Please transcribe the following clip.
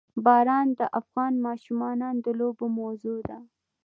باران د افغان ماشومانو د لوبو موضوع ده.